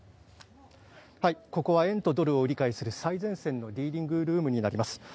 ここは円とドルを売り買いする最前線のディーリングルームになります。